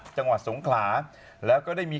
จังหวัดสงขลาแล้วก็ได้มี